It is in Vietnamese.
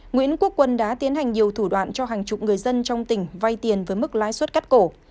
nguyễn quốc quân đã tiến hành nhiều thủ đoạn cho hàng chục người dân trong tỉnh vay tiền với mức lãi suất cắt cổ